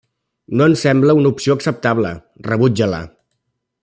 No em sembla una opció acceptable. Rebuja-la!